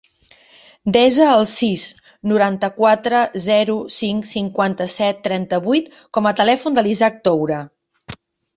Desa el sis, noranta-quatre, zero, cinc, cinquanta-set, trenta-vuit com a telèfon de l'Isaac Toure.